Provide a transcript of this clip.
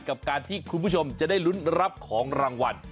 กับการที่คุณผู้ชมจะได้ลุ้นรับของรางวัล